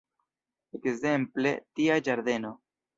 Ekzemple, tia ĝardeno!